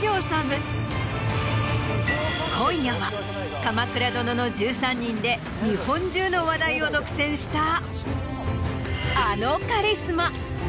今夜は『鎌倉殿の１３人』で日本中の話題を独占したあのカリスマ！